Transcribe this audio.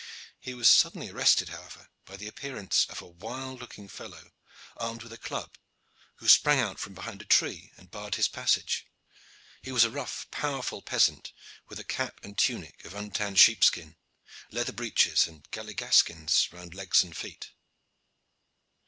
He was suddenly arrested, however, by the appearance of a wild looking fellow armed with a club, who sprang out from behind a tree and barred his passage. He was a rough, powerful peasant, with cap and tunic of untanned sheepskin, leather breeches, and galligaskins round legs and feet.